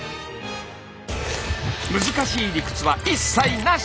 難しい理屈は一切なし！